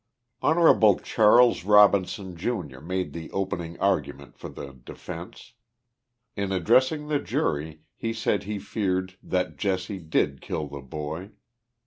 Hon. Charles Robinson, Jr., made the opening argument for the defence. In addressing the jury he said he feared " that Jesse did kill the boy."